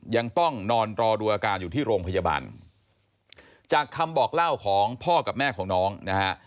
ยังต้องนอนรอดูอาการอยู่ที่โรงพยาบาลจากคำบอกเล่าของพ่อกับแม่ของน้องนะฮะ